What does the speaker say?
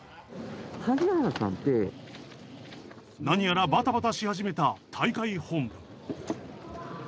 何やらバタバタし始めた大会本部。